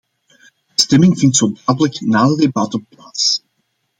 De stemming vindt zo dadelijk na de debatten plaats.